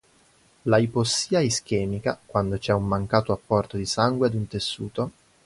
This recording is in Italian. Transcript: La "ipossia ischemica" quando c'è un mancato apporto di sangue ad un tessuto.